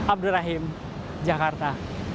abdul rahim jakarta